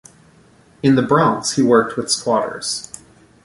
In the Bronx he worked with squatters.